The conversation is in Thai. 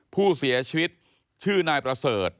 ผู้เสียชีวิตชื่อนายประเสริฐ